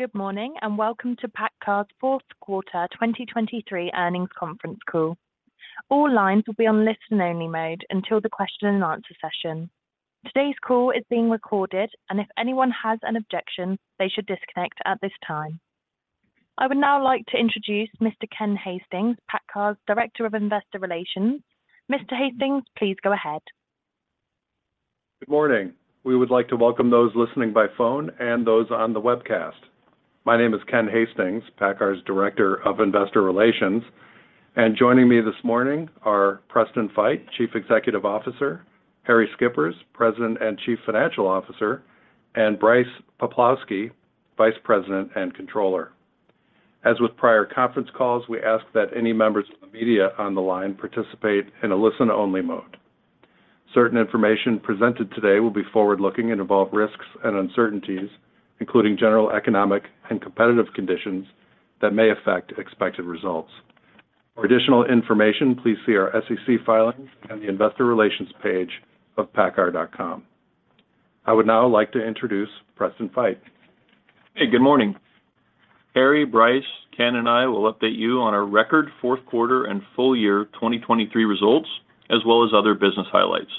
Good morning, and welcome to PACCAR's fourth quarter 2023 earnings conference call. All lines will be on listen-only mode until the question and answer session. Today's call is being recorded, and if anyone has an objection, they should disconnect at this time. I would now like to introduce Mr. Ken Hastings, PACCAR's Director of Investor Relations. Mr. Hastings, please go ahead. Good morning! We would like to welcome those listening by phone and those on the webcast. My name is Ken Hastings, PACCAR's Director of Investor Relations, and joining me this morning are Preston Feight, Chief Executive Officer, Harrie Schippers, President and Chief Financial Officer, and Brice Poplawski, Vice President and Controller. As with prior conference calls, we ask that any members of the media on the line participate in a listen-only mode. Certain information presented today will be forward-looking and involve risks and uncertainties, including general economic and competitive conditions that may affect expected results. For additional information, please see our SEC filings and the investor relations page of PACCAR.com. I would now like to introduce Preston Feight. Hey, good morning. Harrie, Brice, Ken, and I will update you on our record fourth quarter and full year 2023 results, as well as other business highlights.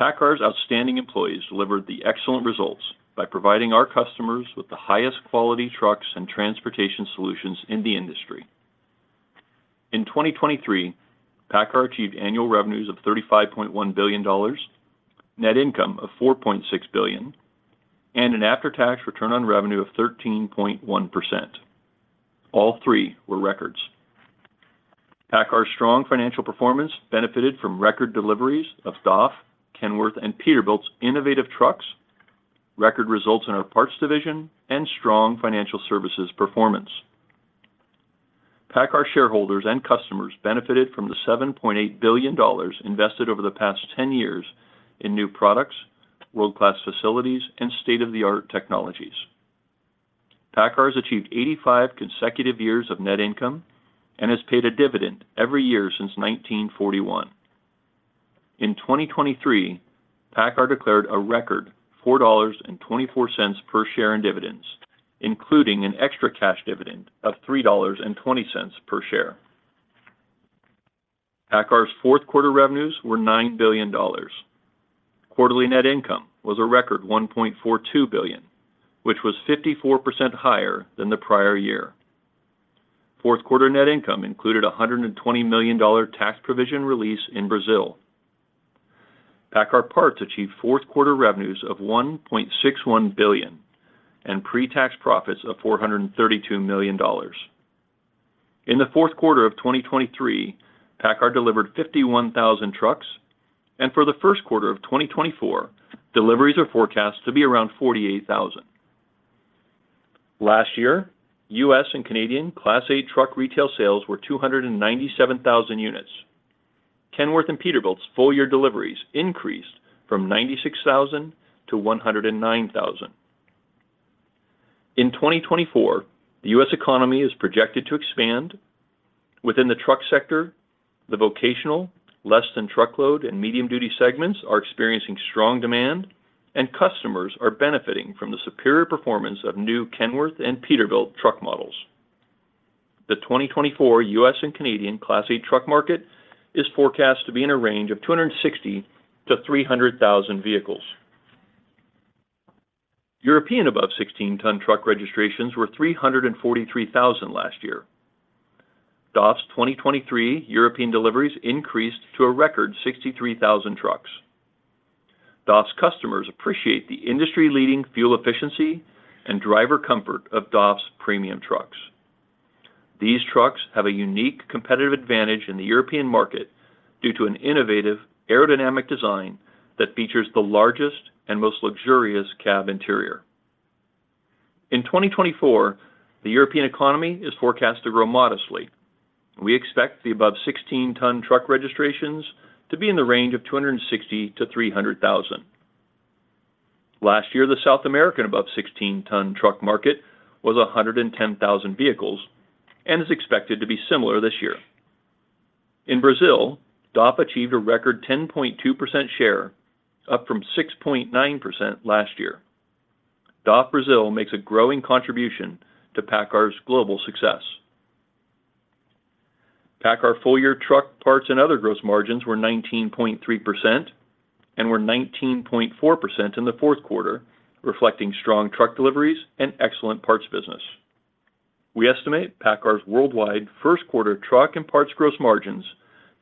PACCAR's outstanding employees delivered the excellent results by providing our customers with the highest quality trucks and transportation solutions in the industry. In 2023, PACCAR achieved annual revenues of $35.1 billion, net income of $4.6 billion, and an after-tax return on revenue of 13.1%. All three were records. PACCAR's strong financial performance benefited from record deliveries of DAF, Kenworth, and Peterbilt's innovative trucks, record results in our parts division, and strong financial services performance. PACCAR shareholders and customers benefited from the $7.8 billion invested over the past 10 years in new products, world-class facilities, and state-of-the-art technologies. PACCAR has achieved 85 consecutive years of net income and has paid a dividend every year since 1941. In 2023, PACCAR declared a record $4.24 per share in dividends, including an extra cash dividend of $3.20 per share. PACCAR's fourth quarter revenues were $9 billion. Quarterly net income was a record $1.42 billion, which was 54% higher than the prior year. Fourth quarter net income included a $120 million tax provision release in Brazil. PACCAR Parts achieved fourth quarter revenues of $1.61 billion and pre-tax profits of $432 million. In the fourth quarter of 2023, PACCAR delivered 51,000 trucks, and for the first quarter of 2024, deliveries are forecast to be around 48,000. Last year, U.S. and Canadian Class 8 truck retail sales were 297,000 units. Kenworth and Peterbilt's full-year deliveries increased from 96,000 to 109,000. In 2024, the U.S. economy is projected to expand. Within the truck sector, the vocational, less than truckload, and medium-duty segments are experiencing strong demand, and customers are benefiting from the superior performance of new Kenworth and Peterbilt truck models. The 2024 U.S. and Canadian Class 8 truck market is forecast to be in a range of 260,000-300,000 vehicles. European above 16-ton truck registrations were 343,000 last year. DAF's 2023 European deliveries increased to a record 63,000 trucks. DAF's customers appreciate the industry-leading fuel efficiency and driver comfort of DAF's premium trucks. These trucks have a unique competitive advantage in the European market due to an innovative aerodynamic design that features the largest and most luxurious cab interior. In 2024, the European economy is forecast to grow modestly. We expect the above 16-ton truck registrations to be in the range of 260,000-300,000. Last year, the South American above 16-ton truck market was 110,000 vehicles and is expected to be similar this year. In Brazil, DAF achieved a record 10.2% share, up from 6.9% last year. DAF Brazil makes a growing contribution to PACCAR's global success. PACCAR full-year truck parts and other gross margins were 19.3% and were 19.4% in the fourth quarter, reflecting strong truck deliveries and excellent parts business. We estimate PACCAR's worldwide first quarter truck and parts gross margins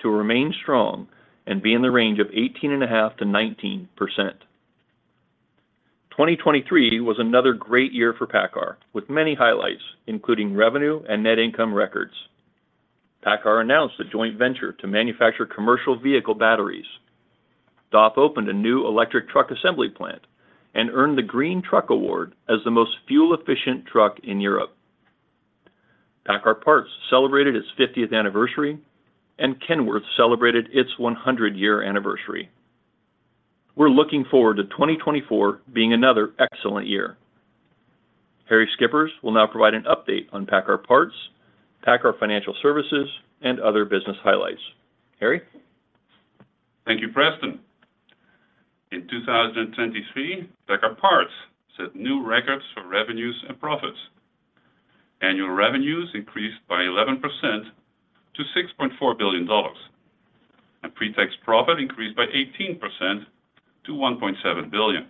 to remain strong and be in the range of 18.5%-19%. 2023 was another great year for PACCAR, with many highlights, including revenue and net income records. PACCAR announced a joint venture to manufacture commercial vehicle batteries. DAF opened a new electric truck assembly plant and earned the Green Truck Award as the most fuel-efficient truck in Europe. PACCAR Parts celebrated its 50th anniversary, and Kenworth celebrated its 100-year anniversary. We're looking forward to 2024 being another excellent year. Harrie Schippers will now provide an update on PACCAR Parts, PACCAR Financial Services, and other business highlights. Harrie? Thank you, Preston. In 2023, PACCAR Parts set new records for revenues and profits. Annual revenues increased by 11% to $6.4 billion, and pretax profit increased by 18% to $1.7 billion.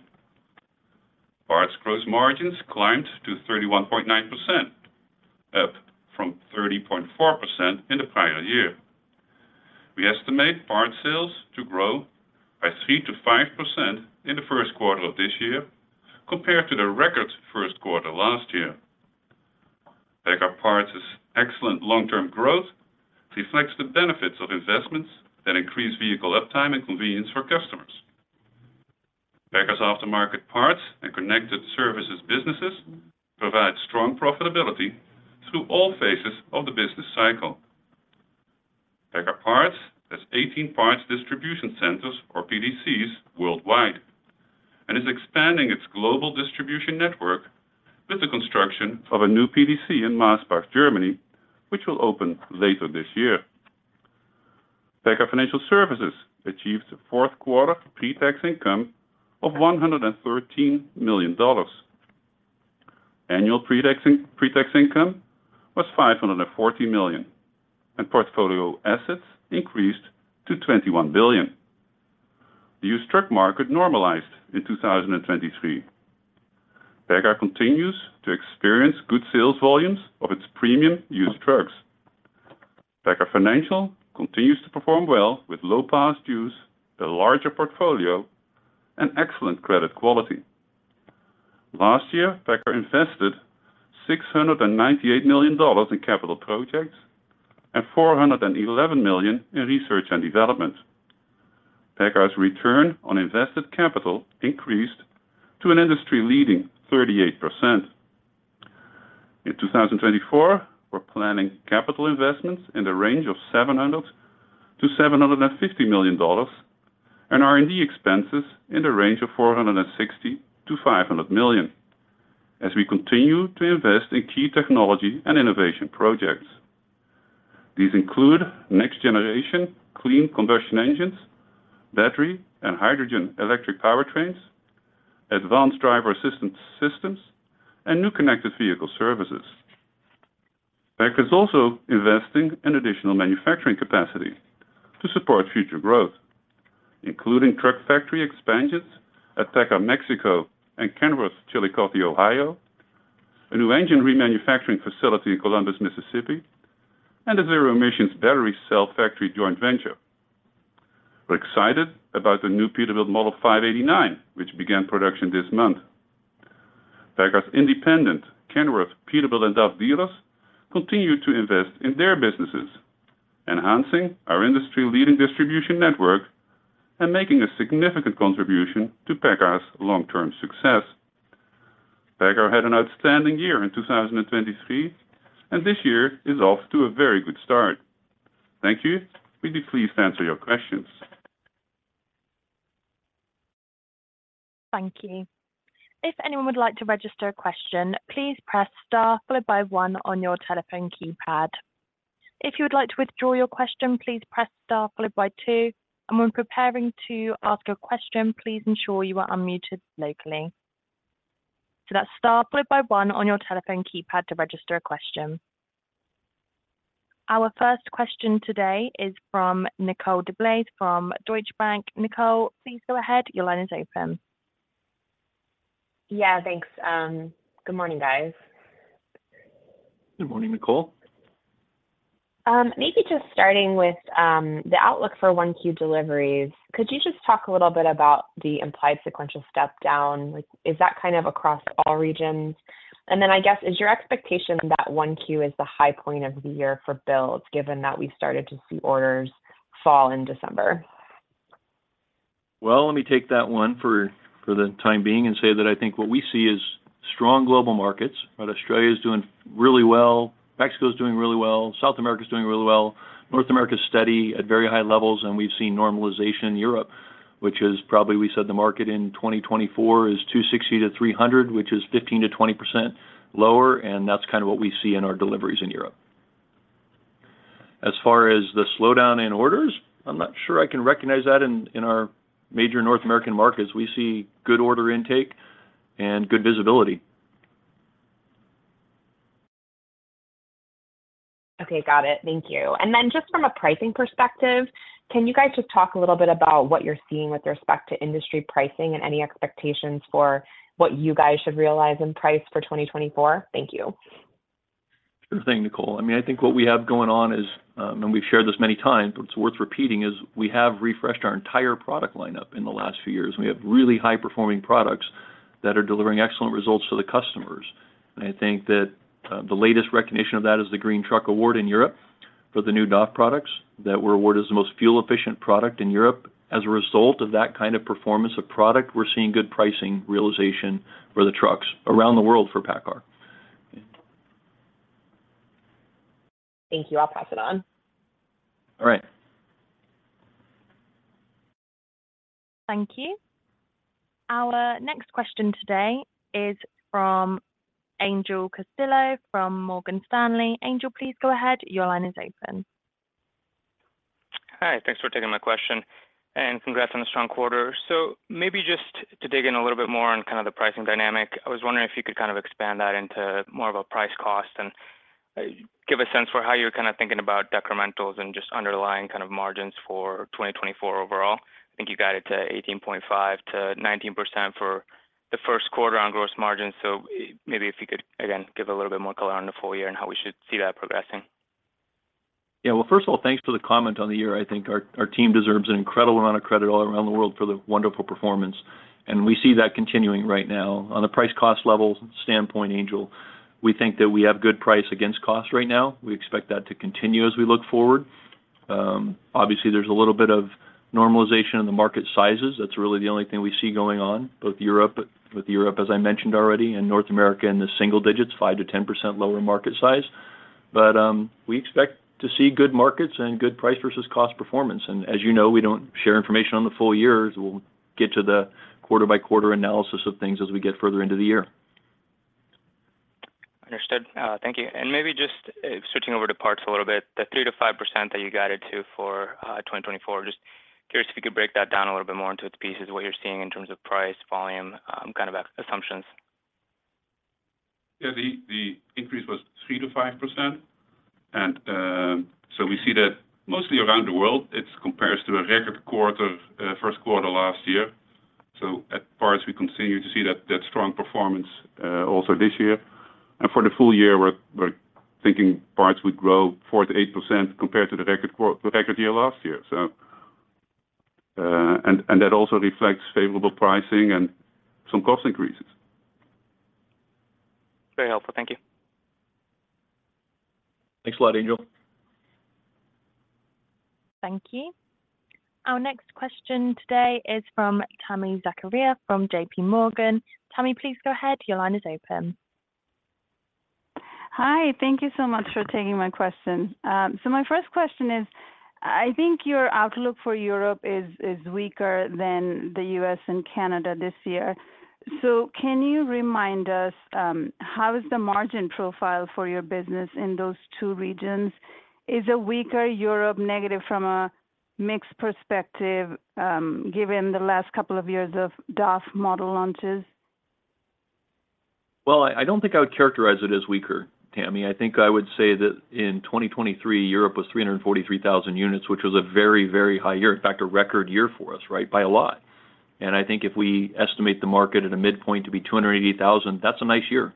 Parts gross margins climbed to 31.9%, up from 30.4% in the prior year. We estimate parts sales to grow by 3%-5% in the first quarter of this year compared to the record first quarter last year. PACCAR Parts' excellent long-term growth reflects the benefits of investments that increase vehicle uptime and convenience for customers. PACCAR's aftermarket parts and connected services businesses provide strong profitability through all phases of the business cycle. PACCAR Parts has 18 parts distribution centers, or PDCs, worldwide, and is expanding its global distribution network with the construction of a new PDC in Massbach, Germany, which will open later this year. PACCAR Financial Services achieved a fourth quarter pretax income of $113 million. Annual pretax income was $540 million, and portfolio assets increased to $21 billion. The used truck market normalized in 2023. PACCAR continues to experience good sales volumes of its premium used trucks. PACCAR Financial continues to perform well with low past due, the larger portfolio, and excellent credit quality. Last year, PACCAR invested $698 million in capital projects and $411 million in research and development. PACCAR's return on invested capital increased to an industry-leading 38%. In 2024, we're planning capital investments in the range of $700 million-$750 million and R&D expenses in the range of $460 million-$500 million as we continue to invest in key technology and innovation projects. These include next-generation clean combustion engines, battery and hydrogen electric powertrains, advanced driver assistance systems, and new connected vehicle services. PACCAR is also investing in additional manufacturing capacity to support future growth, including truck factory expansions at PACCAR Mexico and Kenworth, Chillicothe, Ohio, a new engine remanufacturing facility in Columbus, Mississippi, and a zero-emissions battery cell factory joint venture. We're excited about the new Peterbilt Model 589, which began production this month. PACCAR's independent Kenworth, Peterbilt, and DAF dealers continue to invest in their businesses, enhancing our industry-leading distribution network and making a significant contribution to PACCAR's long-term success. PACCAR had an outstanding year in 2023, and this year is off to a very good start. Thank you. We'd be pleased to answer your questions. Thank you. If anyone would like to register a question, please press star followed by one on your telephone keypad. If you would like to withdraw your question, please press star followed by two, and when preparing to ask a question, please ensure you are unmuted locally. That's star followed by one on your telephone keypad to register a question. Our first question today is from Nicole DeBlase from Deutsche Bank. Nicole, please go ahead. Your line is open. Yeah, thanks. Good morning, guys. Good morning, Nicole. Maybe just starting with the outlook for 1Q deliveries, could you just talk a little bit about the implied sequential step down? Like, is that kind of across all regions? And then, I guess, is your expectation that 1Q is the high point of the year for builds, given that we started to see orders fall in December? Well, let me take that one for, for the time being and say that I think what we see is strong global markets, right? Australia is doing really well, Mexico is doing really well, South America is doing really well, North America is steady at very high levels, and we've seen normalization in Europe, which is probably, we said the market in 2024 is 260-300, which is 15%-20% lower, and that's kind of what we see in our deliveries in Europe. As far as the slowdown in orders, I'm not sure I can recognize that in, in our major North American markets. We see good order intake and good visibility. Okay, got it. Thank you. And then just from a pricing perspective, can you guys just talk a little bit about what you're seeing with respect to industry pricing and any expectations for what you guys should realize in price for 2024? Thank you. Sure thing, Nicole. I mean, I think what we have going on is, and we've shared this many times, but it's worth repeating is we have refreshed our entire product lineup in the last few years. We have really high-performing products that are delivering excellent results to the customers. I think that, the latest recognition of that is the Green Truck Award in Europe for the new DAF products that were awarded as the most fuel-efficient product in Europe. As a result of that kind of performance of product, we're seeing good pricing realization for the trucks around the world for PACCAR. Thank you. I'll pass it on. All right. Thank you. Our next question today is from Angel Castillo from Morgan Stanley. Angel, please go ahead. Your line is open. Hi. Thanks for taking my question, and congrats on the strong quarter. So maybe just to dig in a little bit more on kind of the pricing dynamic, I was wondering if you could kind of expand that into more of a price cost and, give a sense for how you're kind of thinking about decremental and just underlying kind of margins for 2024 overall. I think you got it to 18.5%-19% for the first quarter on gross margin, so maybe if you could, again, give a little bit more color on the full year and how we should see that progressing. Yeah. Well, first of all, thanks for the comment on the year. I think our team deserves an incredible amount of credit all around the world for the wonderful performance, and we see that continuing right now. On a price-cost level standpoint, Angel, we think that we have good price against cost right now. We expect that to continue as we look forward. Obviously, there's a little bit of normalization in the market sizes. That's really the only thing we see going on, both Europe, with Europe, as I mentioned already, and North America in the single digits, 5%-10% lower market size. But, we expect to see good markets and good price versus cost performance, and as you know, we don't share information on the full years. We'll get to the quarter-by-quarter analysis of things as we get further into the year. Understood. Thank you. And maybe just switching over to parts a little bit, the 3%-5% that you guided to for 2024, just curious if you could break that down a little bit more into its pieces, what you're seeing in terms of price, volume, kind of assumptions. Yeah, the increase was 3%-5%, and so we see that mostly around the world. It compares to a record quarter, first quarter last year. So at parts, we continue to see that strong performance also this year. And for the full year, we're thinking parts would grow 4%-8% compared to the record year last year. So, and that also reflects favorable pricing and some cost increases. Very helpful. Thank you. Thanks a lot, Angel. Thank you. Our next question today is from Tami Zakaria, from JP Morgan. Tammy, please go ahead. Your line is open. Hi, thank you so much for taking my question. So my first question is, I think your outlook for Europe is, is weaker than the U.S. and Canada this year. So can you remind us, how is the margin profile for your business in those two regions? Is a weaker Europe negative from a mixed perspective, given the last couple of years of DAF model launches? Well, I don't think I would characterize it as weaker, Tami. I think I would say that in 2023, Europe was 343,000 units, which was a very, very high year, in fact, a record year for us, right? By a lot. And I think if we estimate the market at a midpoint to be 280,000, that's a nice year.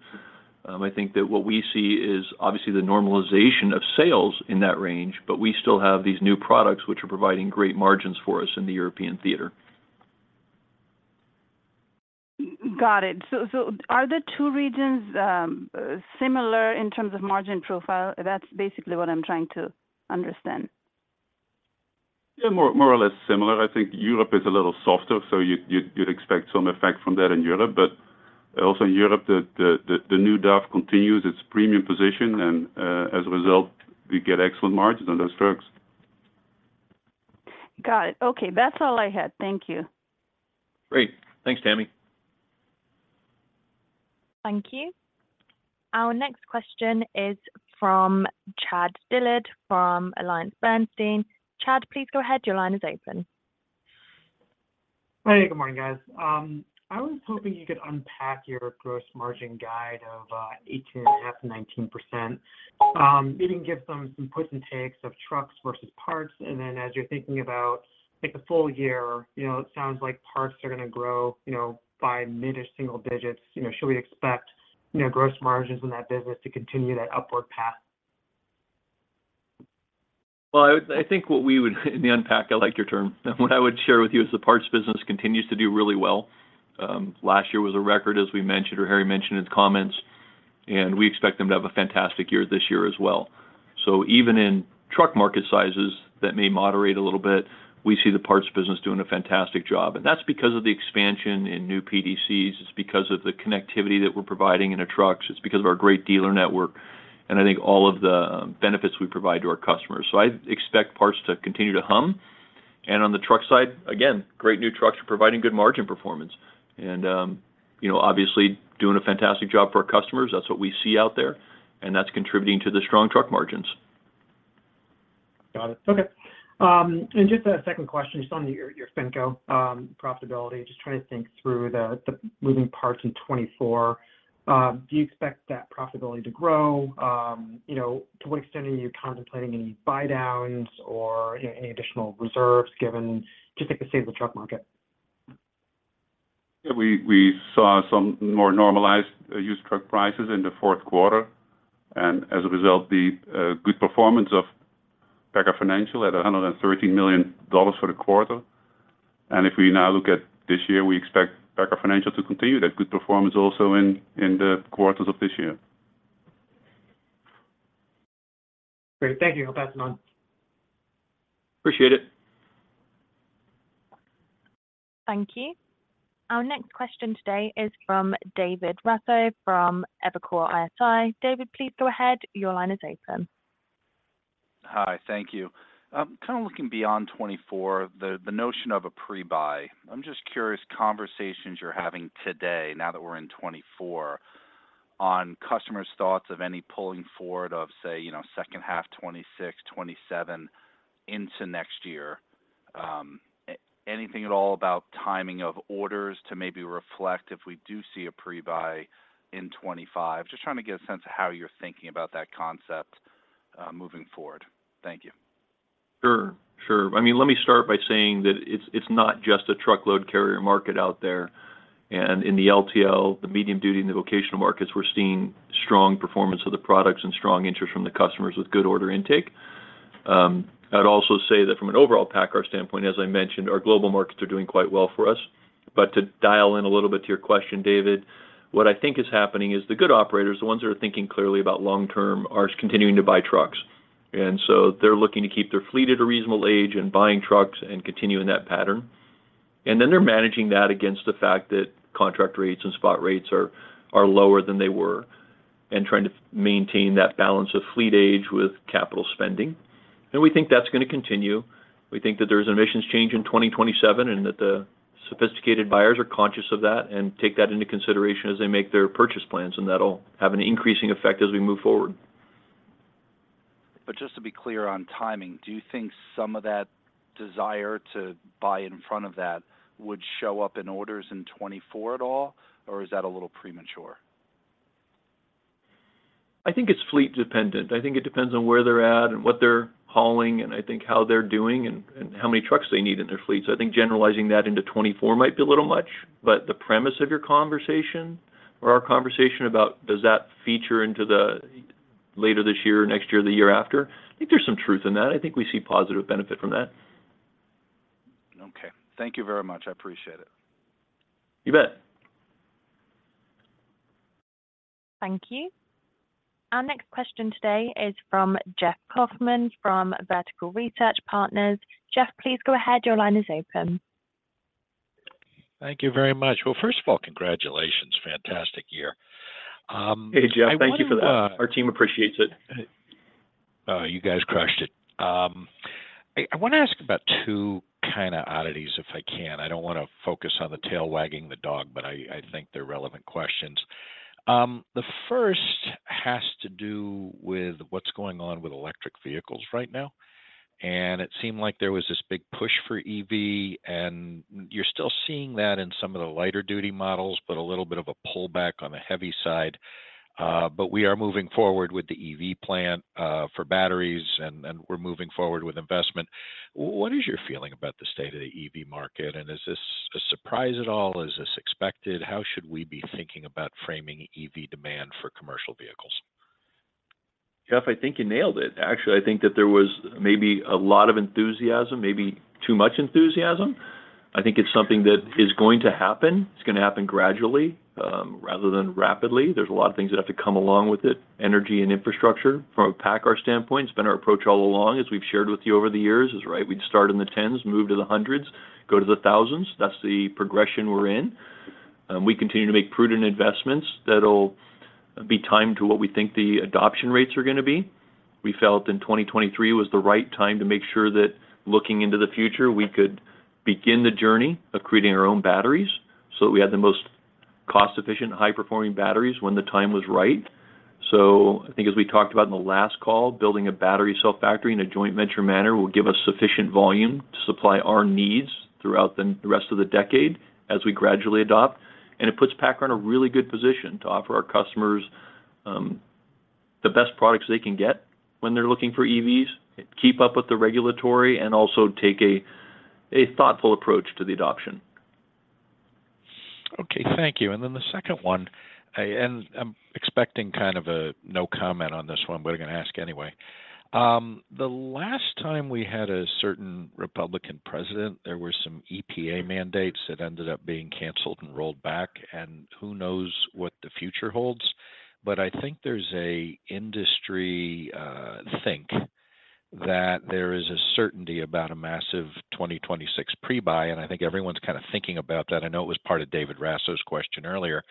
I think that what we see is obviously the normalization of sales in that range, but we still have these new products, which are providing great margins for us in the European theater. Got it. So, so are the two regions, similar in terms of margin profile? That's basically what I'm trying to understand. Yeah, more or less similar. I think Europe is a little softer, so you'd expect some effect from that in Europe. But also in Europe, the new DAF continues its premium position, and as a result, we get excellent margins on those trucks. Got it. Okay, that's all I had. Thank you. Great. Thanks, Tami. Thank you. Our next question is from Chad Dillard, from AllianceBernstein. Chad, please go ahead. Your line is open. Hey, good morning, guys. I was hoping you could unpack your gross margin guide of 18.5%-19%. Maybe give some puts and takes of trucks versus parts, and then as you're thinking about, like, the full year, you know, it sounds like parts are going to grow, you know, by mid-to-single digit. You know, should we expect, you know, gross margins in that business to continue that upward path? Well, I think what we would unpack, I like your term. What I would share with you is the parts business continues to do really well. Last year was a record, as we mentioned, or Harrie mentioned in his comments, and we expect them to have a fantastic year this year as well. So even in truck market sizes that may moderate a little bit, we see the parts business doing a fantastic job, and that's because of the expansion in new PDCs. It's because of the connectivity that we're providing in our trucks. It's because of our great dealer network, and I think all of the benefits we provide to our customers. So I expect parts to continue to hum. On the truck side, again, great new trucks are providing good margin performance and, you know, obviously doing a fantastic job for our customers. That's what we see out there, and that's contributing to the strong truck margins. Got it. Okay. And just a second question, just on your, your FinCo, profitability. Just trying to think through the, the moving parts in 2024. Do you expect that profitability to grow? You know, to what extent are you contemplating any buydowns or, you know, any additional reserves given, just, like, the state of the truck market? Yeah, we saw some more normalized used truck prices in the fourth quarter, and as a result, the good performance of PACCAR Financial at $113 million for the quarter. If we now look at this year, we expect PACCAR Financial to continue that good performance also in the quarters of this year. Great. Thank you. I'll pass it on. Appreciate it. Thank you. Our next question today is from David Raso, from Evercore ISI. David, please go ahead. Your line is open. Hi, thank you. Kind of looking beyond 2024, the notion of a pre-buy. I'm just curious, conversations you're having today, now that we're in 2024, on customers' thoughts of any pulling forward of, say, you know, second half 2026, 2027, into next year. Anything at all about timing of orders to maybe reflect if we do see a pre-buy in 2025? Just trying to get a sense of how you're thinking about that concept, moving forward. Thank you. Sure, sure. I mean, let me start by saying that it's not just a truckload carrier market out there, and in the LTL, the medium duty, and the vocational markets, we're seeing strong performance of the products and strong interest from the customers with good order intake. I'd also say that from an overall PACCAR standpoint, as I mentioned, our global markets are doing quite well for us. But to dial in a little bit to your question, David, what I think is happening is the good operators, the ones that are thinking clearly about long term, are continuing to buy trucks. And so they're looking to keep their fleet at a reasonable age and buying trucks and continuing that pattern. Then they're managing that against the fact that contract rates and spot rates are lower than they were, and trying to maintain that balance of fleet age with capital spending. We think that's going to continue. We think that there's an emissions change in 2027, and that the sophisticated buyers are conscious of that and take that into consideration as they make their purchase plans, and that'll have an increasing effect as we move forward. Just to be clear on timing, do you think some of that desire to buy in front of that would show up in orders in 2024 at all, or is that a little premature? I think it's fleet dependent. I think it depends on where they're at and what they're hauling, and I think how they're doing and how many trucks they need in their fleets. I think generalizing that into 24 might be a little much, but the premise of your conversation or our conversation about does that feature into the later this year, or next year, or the year after? I think there's some truth in that. I think we see positive benefit from that. Okay. Thank you very much. I appreciate it. You bet. Thank you. Our next question today is from Jeff Kauffman, from Vertical Research Partners. Jeff, please go ahead. Your line is open. Thank you very much. Well, first of all, congratulations. Fantastic year. Hey, Jeff. Thank you for that. I want to. Our team appreciates it. You guys crushed it. I, I want to ask about two kind of oddities, if I can. I don't want to focus on the tail wagging the dog, but I, I think they're relevant questions. The first has to do with what's going on with electric vehicles right now, and it seemed like there was this big push for EV, and you're still seeing that in some of the lighter duty models, but a little bit of a pullback on the heavy side. But we are moving forward with the EV plan for batteries, and, and we're moving forward with investment. What is your feeling about the state of the EV market, and is this a surprise at all? Is this expected? How should we be thinking about framing EV demand for commercial vehicles? Jeff, I think you nailed it. Actually, I think that there was maybe a lot of enthusiasm, maybe too much enthusiasm. I think it's something that is going to happen. It's going to happen gradually, rather than rapidly. There's a lot of things that have to come along with it, energy and infrastructure. From a PACCAR standpoint, it's been our approach all along, as we've shared with you over the years, is right, we'd start in the tens, move to the hundreds, go to the thousands. That's the progression we're in. We continue to make prudent investments that'll be timed to what we think the adoption rates are going to be. We felt in 2023 was the right time to make sure that looking into the future, we could begin the journey of creating our own batteries, so that we had the most cost-efficient, high-performing batteries when the time was right. So I think as we talked about in the last call, building a battery cell factory in a joint venture manner will give us sufficient volume to supply our needs throughout the rest of the decade as we gradually adopt. And it puts PACCAR in a really good position to offer our customers the best products they can get when they're looking for EVs, keep up with the regulatory, and also take a thoughtful approach to the adoption. Okay, thank you. And then the second one, and I'm expecting kind of a "no comment" on this one, but I'm going to ask anyway. The last time we had a certain Republican president, there were some EPA mandates that ended up being canceled and rolled back, and who knows what the future holds? But I think there's an industry think that there is a certainty about a massive 2026 pre-buy, and I think everyone's kind of thinking about that. I know it was part of David Raso's question earlier.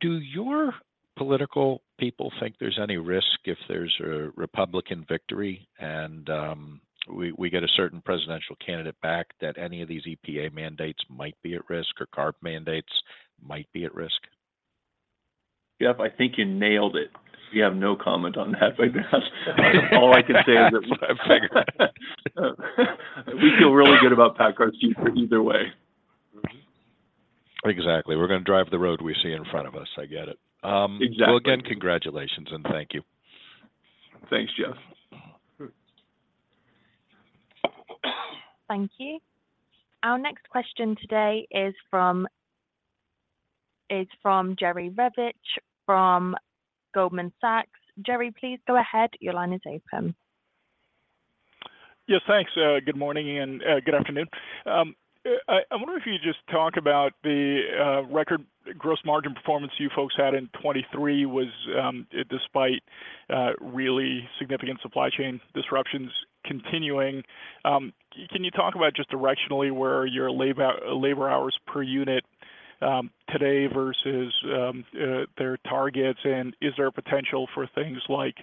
Do your political people think there's any risk if there's a Republican victory and, we get a certain presidential candidate back, that any of these EPA mandates might be at risk or CARB mandates might be at risk? Jeff, I think you nailed it. We have no comment on that. But, all I can say is that- I figured. We feel really good about PACCAR either way. Exactly. We're going to drive the road we see in front of us. I get it. Exactly. Well, again, congratulations, and thank you. Thanks, Jeff. Thank you. Our next question today is from Jerry Revich, from Goldman Sachs. Jerry, please go ahead. Your line is open. Yes, thanks. Good morning and good afternoon. I wonder if you just talk about the record gross margin performance you folks had in 2023, was, despite really significant supply chain disruptions continuing. Can you talk about just directionally where your labor hours per unit, today versus their targets, and is there a potential for things like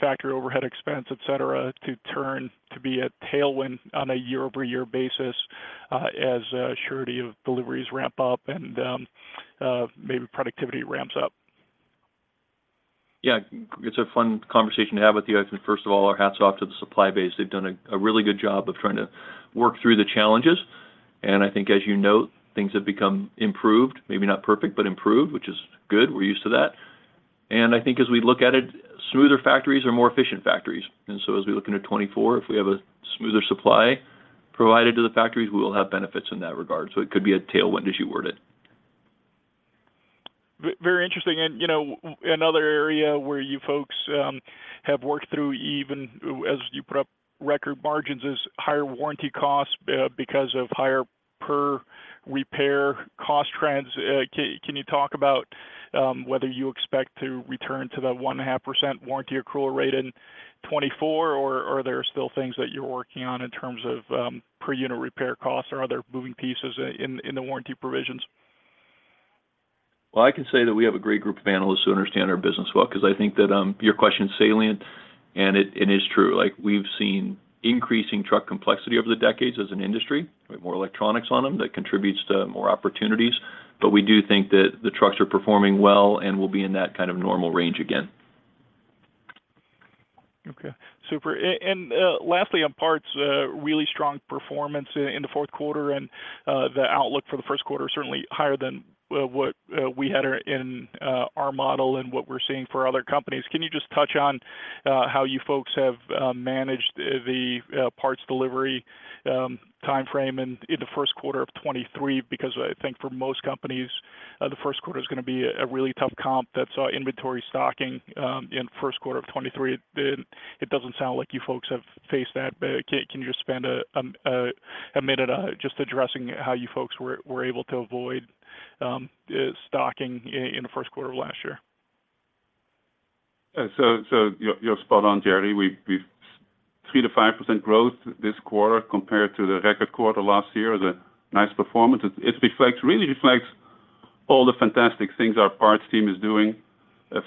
factory overhead expense, et cetera, et cetera, to turn to be a tailwind on a year-over-year basis, as surety of deliveries ramp up and maybe productivity ramps up? Yeah. It's a fun conversation to have with you. I think, first of all, our hats off to the supply base. They've done a really good job of trying to work through the challenges, and I think as you note, things have become improved, maybe not perfect, but improved, which is good. We're used to that. And I think as we look at it, smoother factories are more efficient factories. And so as we look into 2024, if we have a smoother supply provided to the factories, we will have benefits in that regard. So it could be a tailwind, as you word it. Very interesting. You know, another area where you folks have worked through, even as you put up record margins, is higher warranty costs because of higher per repair cost trends. Can you talk about whether you expect to return to the 1.5% warranty accrual rate in 2024, or are there still things that you're working on in terms of per unit repair costs or other moving pieces in the warranty provisions? Well, I can say that we have a great group of analysts who understand our business well, 'cause I think that, your question's salient, and it, it is true. Like, we've seen increasing truck complexity over the decades as an industry, with more electronics on them. That contributes to more opportunities. But we do think that the trucks are performing well and will be in that kind of normal range again. Okay, super. And lastly, on parts, really strong performance in the fourth quarter, and the outlook for the first quarter is certainly higher than what we had in our model and what we're seeing for other companies. Can you just touch on how you folks have managed the parts delivery timeframe and in the first quarter of 2023? Because I think for most companies, the first quarter is gonna be a really tough comp that saw inventory stocking in first quarter of 2023. It doesn't sound like you folks have faced that, but can you just spend a minute just addressing how you folks were able to avoid stocking in the first quarter of last year? So you're spot on, Jerry. We've 3%-5% growth this quarter compared to the record quarter last year. The nice performance really reflects all the fantastic things our parts team is doing,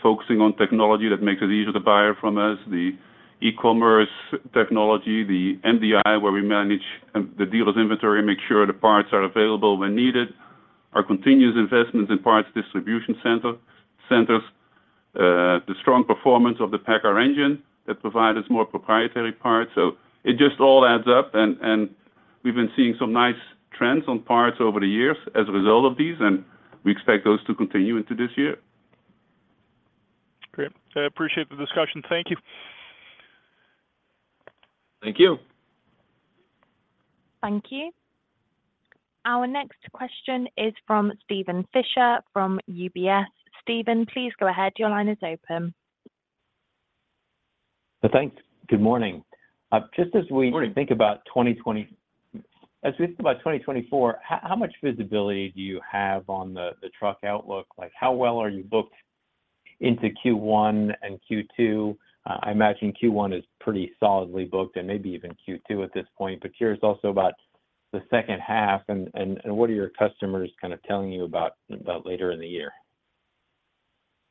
focusing on technology that makes it easier to buy from us, the e-commerce technology, the MDI, where we manage the dealer's inventory, make sure the parts are available when needed. Our continuous investments in parts distribution centers, the strong performance of the PACCAR engine that provide us more proprietary parts. So it just all adds up, and we've been seeing some nice trends on parts over the years as a result of these, and we expect those to continue into this year. Great. I appreciate the discussion. Thank you. Thank you. Thank you. Our next question is from Steven Fisher, from UBS. Stephen, please go ahead. Your line is open. Thanks. Good morning. Just as we- Good morning As we think about 2024, how much visibility do you have on the truck outlook? Like, how well are you booked into Q1 and Q2? I imagine Q1 is pretty solidly booked and maybe even Q2 at this point, but curious also about the second half and what your customers kind of telling you about later in the year?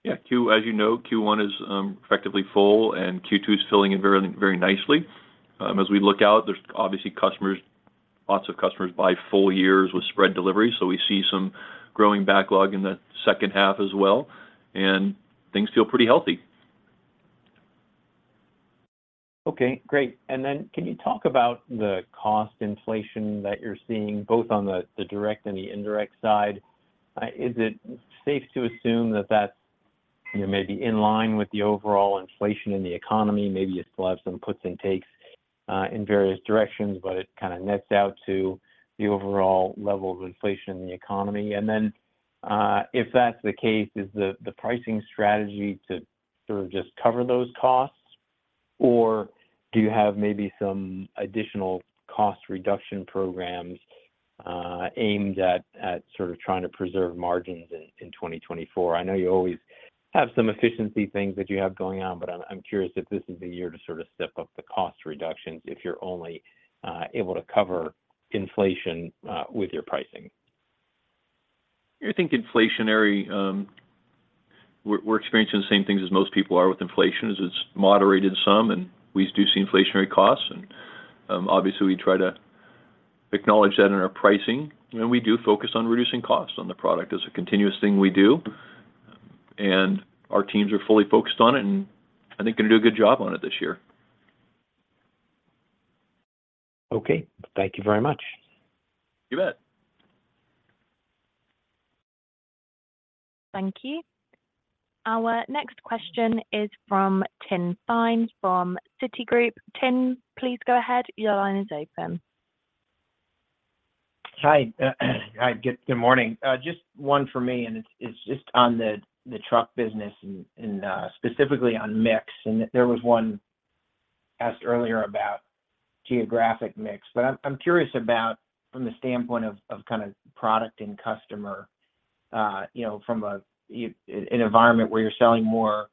Yeah, as you know, Q1 is effectively full and Q2 is filling in very, very nicely. As we look out, there's obviously customers, lots of customers buy full years with spread delivery, so we see some growing backlog in the second half as well, and things feel pretty healthy. Okay, great. And then, can you talk about the cost inflation that you're seeing, both on the direct and the indirect side? Is it safe to assume that that's, you know, maybe in line with the overall inflation in the economy? Maybe you still have some puts and takes in various directions, but it kind of nets out to the overall level of inflation in the economy. And then, if that's the case, is the pricing strategy to sort of just cover those costs, or do you have maybe some additional cost reduction programs aimed at sort of trying to preserve margins in 2024? I know you always have some efficiency things that you have going on, but I'm curious if this is the year to sort of step up the cost reductions if you're only able to cover inflation with your pricing. I think inflationary. We're experiencing the same things as most people are with inflation, as it's moderated some, and we do see inflationary costs. And, obviously, we try to acknowledge that in our pricing, and we do focus on reducing costs on the product. It's a continuous thing we do, and our teams are fully focused on it, and I think they're going to do a good job on it this year. Okay. Thank you very much. You bet. Thank you. Our next question is from Tim Thein, from Citigroup. Tim, please go ahead. Your line is open. Hi. Hi, good morning. Just one for me, and it's just on the truck business and specifically on mix. And there was one asked earlier about geographic mix, but I'm curious about from the standpoint of kind of product and customer, you know, from an environment where you're selling more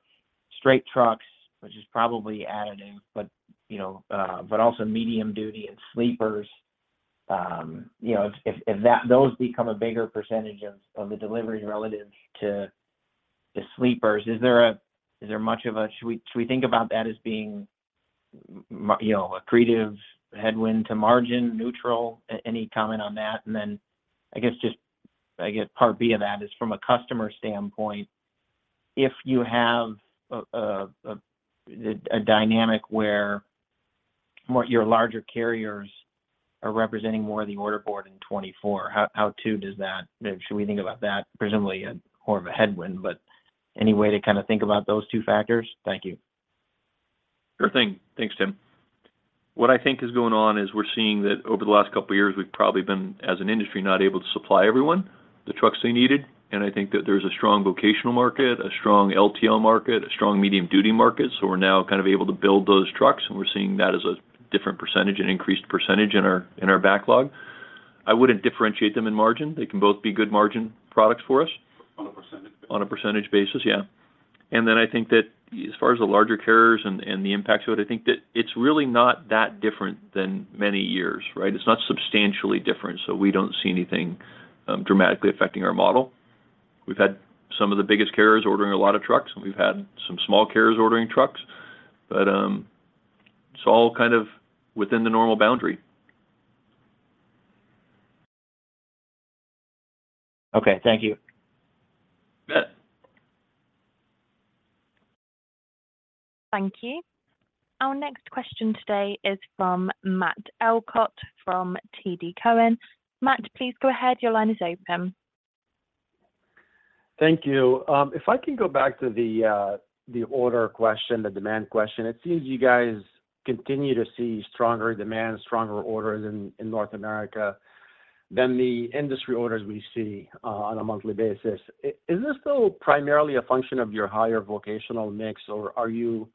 straight trucks, which is probably additive, but you know, but also medium duty and sleepers. You know, if those become a bigger percentage of the delivery relative to sleepers, is there much of a? Should we think about that as being, you know, a creative headwind to margin, neutral? Any comment on that? Then I guess just, I guess part B of that is, from a customer standpoint, if you have a dynamic where more your larger carriers are representing more of the order board in 2024, how too does that, should we think about that presumably a more of a headwind, but any way to kind of think about those two factors? Thank you. Sure thing. Thanks, Tim. What I think is going on is we're seeing that over the last couple of years, we've probably been, as an industry, not able to supply everyone the trucks they needed. And I think that there's a strong vocational market, a strong LTL market, a strong medium-duty market, so we're now kind of able to build those trucks, and we're seeing that as a different percentage, an increased percentage in our, in our backlog. I wouldn't differentiate them in margin. They can both be good margin products for us. On a percentage basis. On a percentage basis, yeah. And then I think that as far as the larger carriers and the impact to it, I think that it's really not that different than many years, right? It's not substantially different, so we don't see anything dramatically affecting our model. We've had some of the biggest carriers ordering a lot of trucks, and we've had some small carriers ordering trucks, but it's all kind of within the normal boundary. Okay, thank you. Yeah. Thank you. Our next question today is from Matt Elkott from TD Cowen. Matt, please go ahead. Your line is open. Thank you. If I can go back to the order question, the demand question, it seems you guys continue to see stronger demand, stronger orders in North America than the industry orders we see on a monthly basis. Is this still primarily a function of your higher vocational mix, or are you,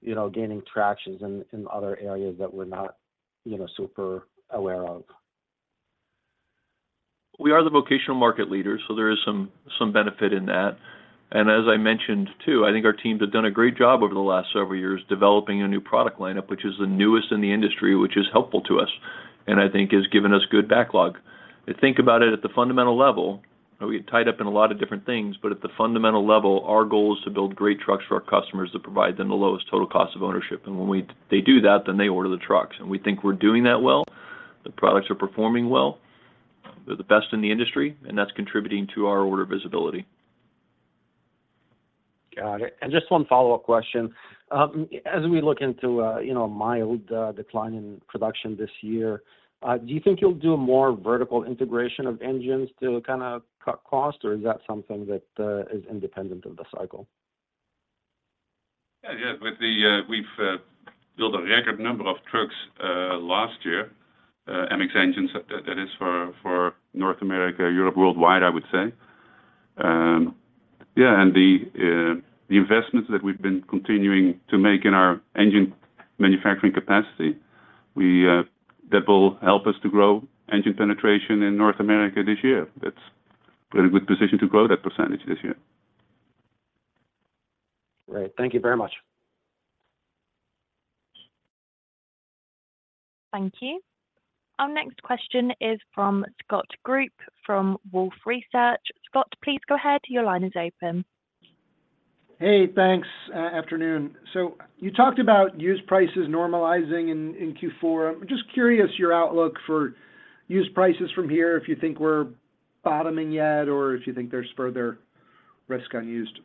you know, gaining traction in other areas that we're not, you know, super aware of? We are the vocational market leader, so there is some benefit in that. As I mentioned, too, I think our teams have done a great job over the last several years developing a new product lineup, which is the newest in the industry, which is helpful to us, and I think has given us good backlog. I think about it at the fundamental level, and we get tied up in a lot of different things, but at the fundamental level, our goal is to build great trucks for our customers that provide them the lowest total cost of ownership. When they do that, then they order the trucks, and we think we're doing that well. The products are performing well. They're the best in the industry, and that's contributing to our order visibility. Got it. Just one follow-up question. As we look into a, you know, mild decline in production this year, do you think you'll do more vertical integration of engines to kind of cut cost, or is that something that is independent of the cycle? Yeah, yeah. With the, we've built a record number of trucks last year, MX engines, that is for North America, Europe, worldwide, I would say. Yeah, and the investments that we've been continuing to make in our engine manufacturing capacity, that will help us to grow engine penetration in North America this year. That's we're in a good position to grow that percentage this year. Great. Thank you very much. Thank you. Our next question is from Scott Group from Wolfe Research. Scott, please go ahead. Your line is open. Hey, thanks. Afternoon. So you talked about used prices normalizing in Q4. I'm just curious, your outlook for used prices from here, if you think we're bottoming yet, or if you think there's further risk in used?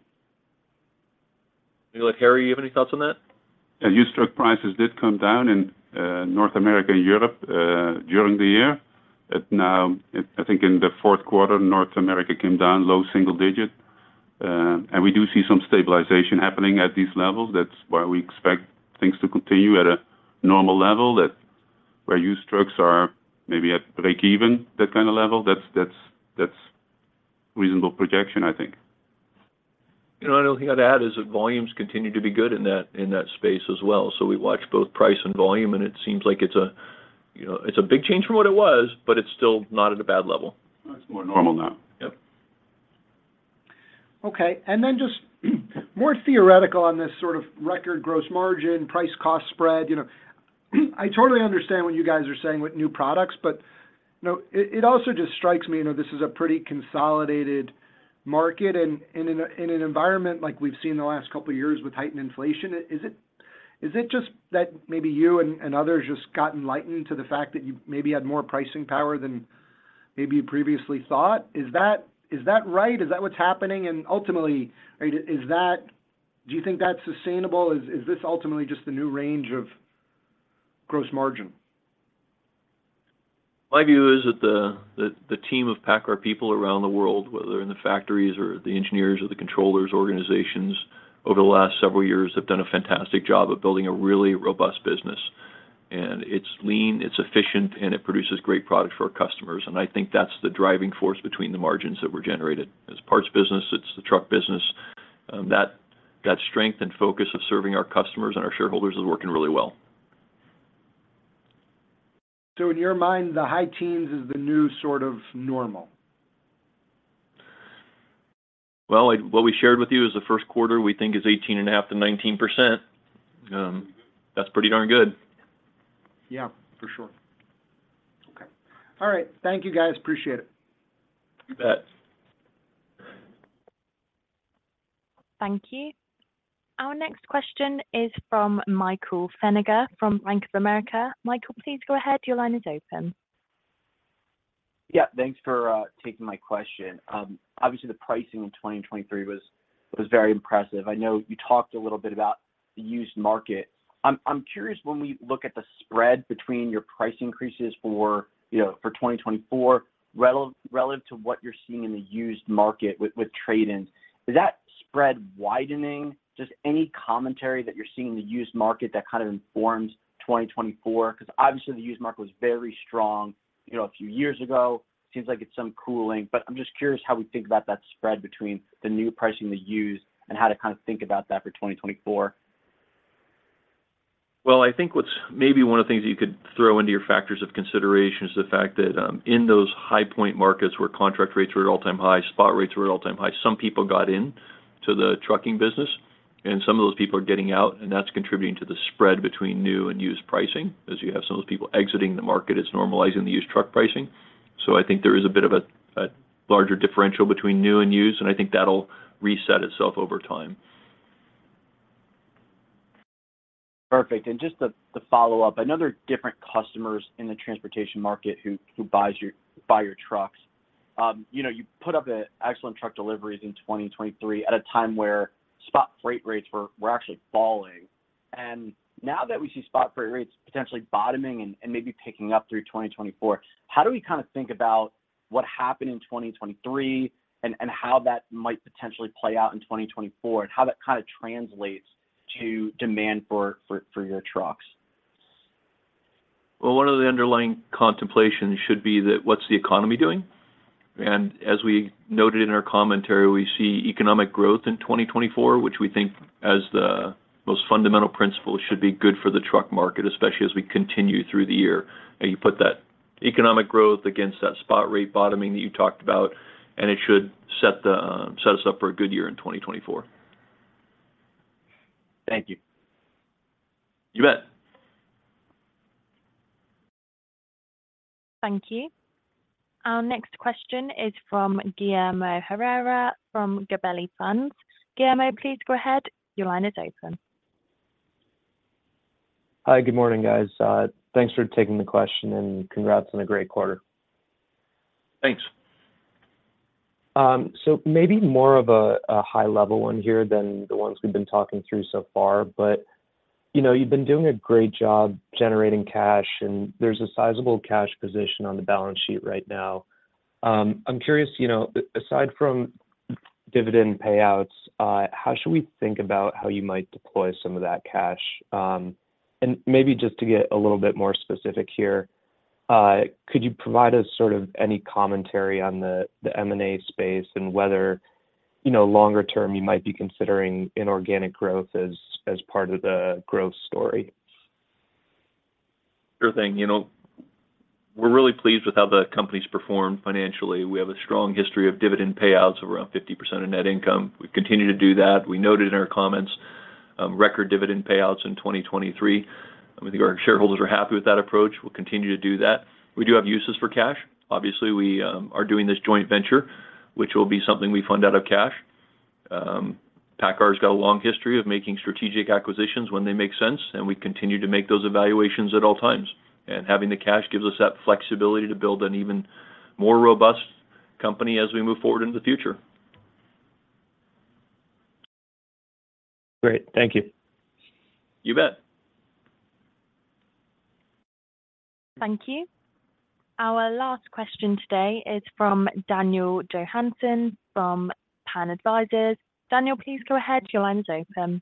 Harrie, you have any thoughts on that? Yeah, used truck prices did come down in, North America and Europe, during the year. But now, I think in the fourth quarter, North America came down low single digit, and we do see some stabilization happening at these levels. That's why we expect things to continue at a normal level, that where used trucks are maybe at break even, that kind of level. That's, that's, that's reasonable projection, I think. You know, another thing I'd add is that volumes continue to be good in that, in that space as well. So we watch both price and volume, and it seems like it's a, you know, it's a big change from what it was, but it's still not at a bad level. It's more normal now. Yep. Okay. And then just more theoretical on this sort of record gross margin, price cost spread, you know, I totally understand what you guys are saying with new products, but, you know, it, it also just strikes me, you know, this is a pretty consolidated market, and, and in a, in an environment like we've seen in the last couple of years with heightened inflation, is it, is it just that maybe you and, and others just got enlightened to the fact that you maybe had more pricing power than maybe you previously thought? Is that, is that right? Is that what's happening? And ultimately, right, is that—do you think that's sustainable? Is, is this ultimately just the new range of gross margin? My view is that the team of PACCAR people around the world, whether in the factories or the engineers or the controllers organizations, over the last several years, have done a fantastic job of building a really robust business. And it's lean, it's efficient, and it produces great products for our customers, and I think that's the driving force between the margins that were generated. It's parts business, it's the truck business. That strength and focus of serving our customers and our shareholders is working really well. So in your mind, the high teens is the new sort of normal? Well, what we shared with you is the first quarter, we think, is 18.5%-19%. That's pretty darn good. Yeah, for sure. Okay. All right. Thank you, guys. Appreciate it. You bet. Thank you. Our next question is from Michael Feniger from Bank of America. Michael, please go ahead. Your line is open. Yeah, thanks for taking my question. Obviously, the pricing in 2023 was very impressive. I know you talked a little bit about the used market. I'm curious, when we look at the spread between your price increases for, you know, for 2024, relative to what you're seeing in the used market with trade-ins, is that spread widening? Just any commentary that you're seeing in the used market that kind of informs 2024? Because obviously the used market was very strong, you know, a few years ago. Seems like it's some cooling, but I'm just curious how we think about that spread between the new pricing, the used, and how to kind of think about that for 2024. Well, I think what's maybe one of the things you could throw into your factors of consideration is the fact that, in those high point markets where contract rates were at all-time high, spot rates were at all-time high, some people got in to the trucking business, and some of those people are getting out, and that's contributing to the spread between new and used pricing, as you have some of those people exiting the market, it's normalizing the used truck pricing. So I think there is a bit of a larger differential between new and used, and I think that'll reset itself over time. Perfect. And just to follow up, another different customers in the transportation market who buys your trucks. You know, you put up an excellent truck deliveries in 2023 at a time where spot freight rates were actually falling. And now that we see spot freight rates potentially bottoming and maybe picking up through 2024, how do we kind of think about what happened in 2023 and how that might potentially play out in 2024, and how that kind of translates to demand for your trucks? Well, one of the underlying contemplations should be that, what's the economy doing? As we noted in our commentary, we see economic growth in 2024, which we think as the most fundamental principle, should be good for the truck market, especially as we continue through the year. You put that economic growth against that spot rate bottoming that you talked about, and it should set us up for a good year in 2024. Thank you. You bet. Thank you. Our next question is from Guillermo Herrera from Gabelli Funds. Guillermo, please go ahead. Your line is open. Hi, good morning, guys. Thanks for taking the question, and congrats on a great quarter. Thanks. So maybe more of a high-level one here than the ones we've been talking through so far, but, you know, you've been doing a great job generating cash, and there's a sizable cash position on the balance sheet right now. I'm curious, you know, aside from dividend payouts, how should we think about how you might deploy some of that cash? And maybe just to get a little bit more specific here, could you provide us sort of any commentary on the M&A space and whether, you know, longer term you might be considering inorganic growth as part of the growth story? Sure thing. You know, we're really pleased with how the company's performed financially. We have a strong history of dividend payouts, around 50% of net income. We continue to do that. We noted in our comments, record dividend payouts in 2023. We think our shareholders are happy with that approach. We'll continue to do that. We do have uses for cash. Obviously, we are doing this joint venture, which will be something we fund out of cash. PACCAR's got a long history of making strategic acquisitions when they make sense, and we continue to make those evaluations at all times. And having the cash gives us that flexibility to build an even more robust company as we move forward into the future. Great. Thank you. You bet. Thank you. Our last question today is from Daniel Johansson from Pan Advisors. Daniel, please go ahead. Your line is open.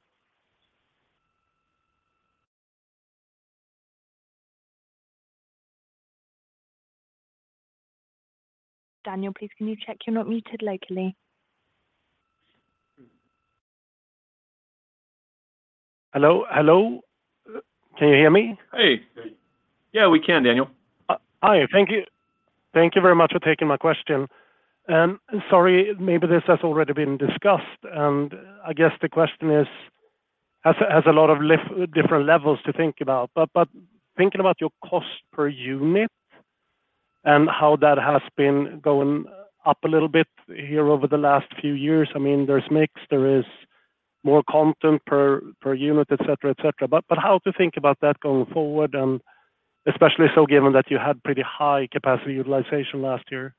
Daniel, please, can you check you're not muted locally? Hello, hello, can you hear me? Hey. Yeah, we can, Daniel. Hi, thank you. Thank you very much for taking my question. Sorry, maybe this has already been discussed, and I guess the question is, has a lot of different levels to think about, but thinking about your cost per unit and how that has been going up a little bit here over the last few years, I mean, there's mix, there is more content per unit, et cetera, et cetera. But how to think about that going forward, and especially so given that you had pretty high capacity utilization last year?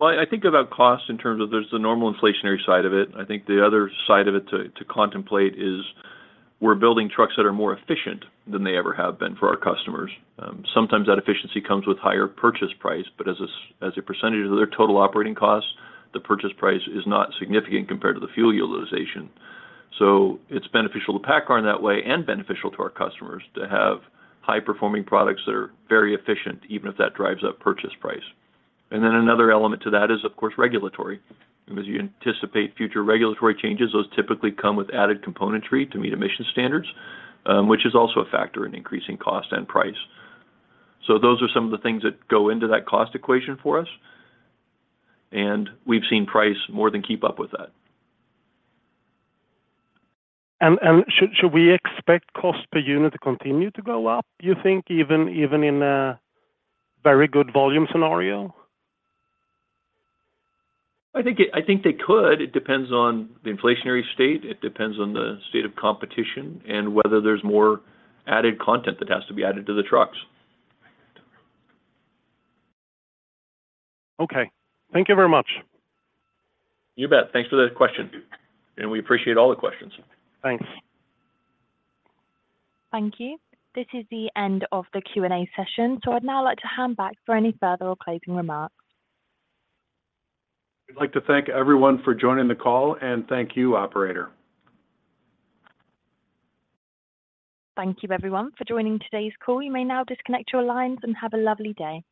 Well, I think about cost in terms of, there's the normal inflationary side of it. I think the other side of it to contemplate is we're building trucks that are more efficient than they ever have been for our customers. Sometimes that efficiency comes with higher purchase price, but as a percentage of their total operating costs, the purchase price is not significant compared to the fuel utilization. So it's beneficial to PACCAR in that way and beneficial to our customers to have high-performing products that are very efficient, even if that drives up purchase price. And then another element to that is, of course, regulatory. As you anticipate future regulatory changes, those typically come with added componentry to meet emission standards, which is also a factor in increasing cost and price. Those are some of the things that go into that cost equation for us, and we've seen price more than keep up with that. Should we expect cost per unit to continue to go up, you think, even in a very good volume scenario? I think they could. It depends on the inflationary state, it depends on the state of competition, and whether there's more added content that has to be added to the trucks. Okay. Thank you very much. You bet. Thanks for the question. We appreciate all the questions. Thanks. Thank you. This is the end of the Q&A session, so I'd now like to hand back for any further closing remarks. We'd like to thank everyone for joining the call, and thank you, operator. Thank you, everyone, for joining today's call. You may now disconnect your lines and have a lovely day.